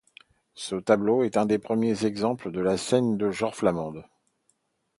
Ce tableau est un des premiers exemples de la scène de genre flamande.